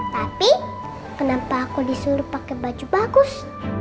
tapi kenapa aku disuruh pakai baju bagus